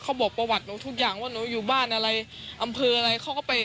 เขาบอกประวัติหนูทุกอย่างว่าหนูอยู่บ้านอะไรอำเภออะไรเขาก็ไป